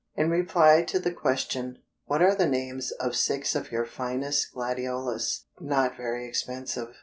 In reply to the question, "What are the names of six of your finest gladiolus not very expensive?"